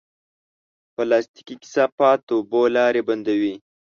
پلاستيکي کثافات د اوبو لارې بندوي.